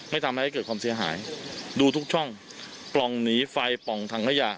ทำให้เกิดความเสียหายดูทุกช่องปล่องหนีไฟปล่องถังขยะ